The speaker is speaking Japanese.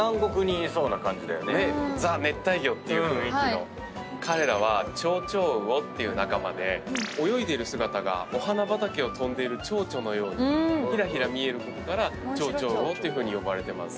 ザ・熱帯魚っていう雰囲気の彼らはチョウチョウウオっていう仲間で泳いでいる姿がお花畑を飛んでるチョウチョのようにひらひら見えることからチョウチョウウオと呼ばれてます。